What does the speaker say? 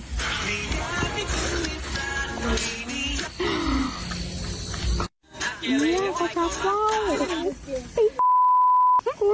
เนี่ยประชักว่า